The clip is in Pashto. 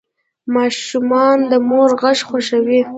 ماشومان د مور غږ خوښوي.